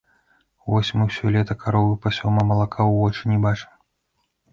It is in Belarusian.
Вось мы ўсё лета каровы пасём, а малака ў вочы не бачым.